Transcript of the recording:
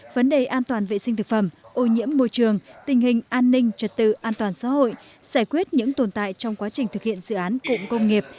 vấn đề an toàn vệ sinh thực phẩm ô nhiễm môi trường tình hình an ninh trật tự an toàn xã hội giải quyết những tồn tại trong quá trình thực hiện dự án cụm công nghiệp